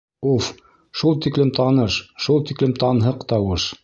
Уф, шул тиклем таныш, шул тиклем танһыҡ тауыш.